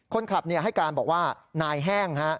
คนขับให้การบอกว่านายแห้ง